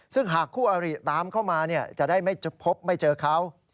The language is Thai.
ซึ่งหากคู่อริตามเข้ามาจะได้ไม่พบไม่เจอเขา